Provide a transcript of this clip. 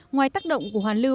ngoài tác động của hoàn lưu